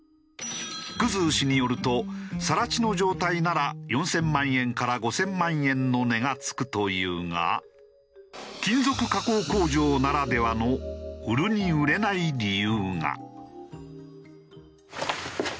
生氏によると更地の状態なら４０００万円から５０００万円の値が付くというが金属加工工場ならではの売るに売れない理由が。